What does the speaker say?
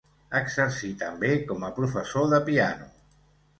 Exercí també com a professor de piano.